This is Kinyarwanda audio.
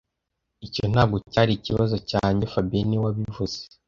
Icyo ntabwo cyari ikibazo cyanjye fabien niwe wabivuze